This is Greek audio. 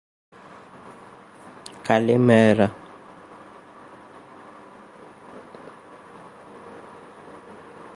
Γειά σου, πατριώτη! Από πότε σε ρωμέικη υπηρεσία;